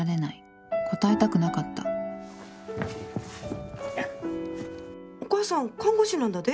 答えたくなかったお母さん看護師なんだで？